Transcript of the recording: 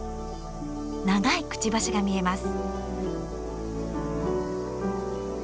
長いくちばしが見えます。